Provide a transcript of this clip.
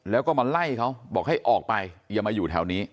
แล้วก็มาไล่เขาบอกให้ออกไปอย่ามาอยู่แถวนี้